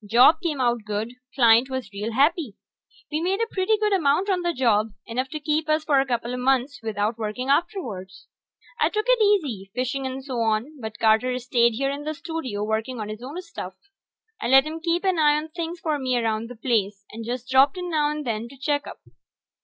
Job came out good; client was real happy. We made a pretty good amount on the job, enough to keep us for a coupla months without working afterwards. I took it easy, fishing and so on, but Carter stayed here in the studio working on his own stuff. I let him keep an eye on things for me around the place, and just dropped in now and then to check up.